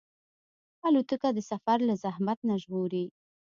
الوتکه د سفر له زحمت نه ژغوري.